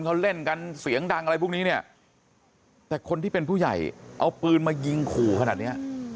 เขาเล่นกันเสียงดังอะไรพวกนี้เนี่ยแต่คนที่เป็นผู้ใหญ่เอาปืนมายิงขู่ขนาดเนี้ย